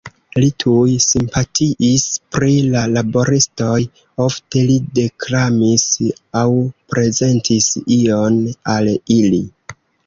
Li tuj simpatiis pri la laboristoj, ofte li deklamis aŭ prezentis ion al ili.